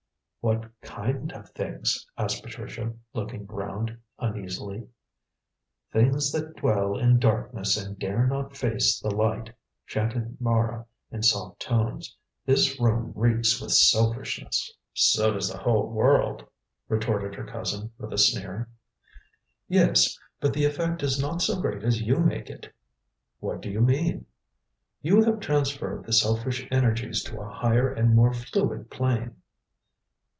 "What kind of things?" asked Patricia, looking round uneasily. "Things that dwell in darkness and dare not face the light," chanted Mara in soft tones. "This room reeks with selfishness." "So does the whole world," retorted her cousin with a sneer. "Yes; but the effect is not so great as you make it." "What do you mean?" "You have transferred the selfish energies to a higher and more fluid plane."